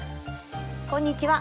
こんにちは。